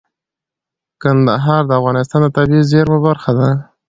کندهار د افغانستان د طبیعي زیرمو برخه ده.